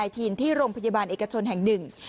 ที่โรงพยาบาลเอกชนแห่ง๑